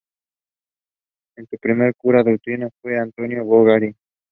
Su primer cura doctrinero fue Antonio Bogarín.